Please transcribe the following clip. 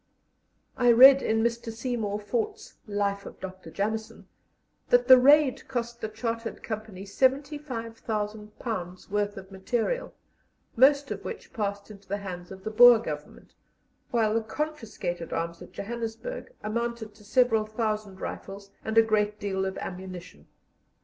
I read in Mr. Seymour Fort's "Life of Dr. Jameson" that the Raid cost the Chartered Company £75,000 worth of material, most of which passed into the hands of the Boer Government, while the confiscated arms at Johannesburg amounted to several thousand rifles and a great deal of ammunition.